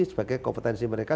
sebagai kompetensi mereka